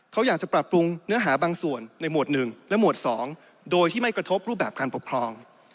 เขาอยากจะปรับปรุงเนื้อหาบางส่วนในหมวด๑และหมวด๒โดยที่ไม่กระทบรูปแบบการปกครอง